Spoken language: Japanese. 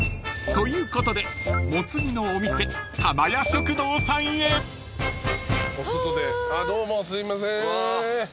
［ということでもつ煮のお店たま家食堂さんへ］